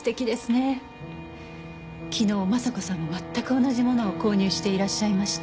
昨日昌子さんが全く同じものを購入していらっしゃいました。